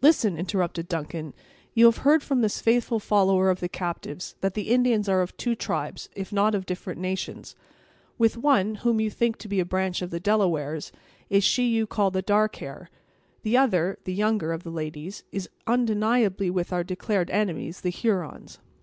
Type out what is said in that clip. "Listen," interrupted Duncan; "you have heard from this faithful follower of the captives, that the Indians are of two tribes, if not of different nations. With one, whom you think to be a branch of the Delawares, is she you call the 'dark hair'; the other, and younger, of the ladies, is undeniably with our declared enemies, the Hurons.